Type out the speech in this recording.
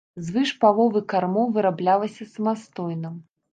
Звыш паловы кармоў выраблялася самастойна.